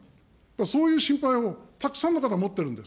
そういう心配をたくさんの方が持ってるんです。